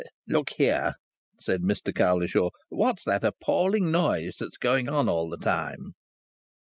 "Look here!" said Mr Cowlishaw. "What's that appalling noise that's going on all the time?"